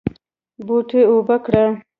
بوټي اوبه کړه